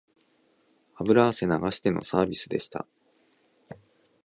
油汗流してのサービスでした